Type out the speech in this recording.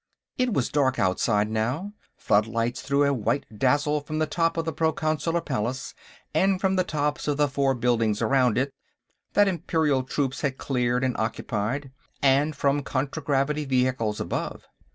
It was dark, outside, now. Floodlights threw a white dazzle from the top of the Proconsular Palace and from the tops of the four buildings around it that Imperial troops had cleared and occupied, and from contragravity vehicles above.